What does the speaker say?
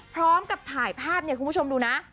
พร้อมกับถ่ายภาพเนี่ยคุณผู้ชมดูนะ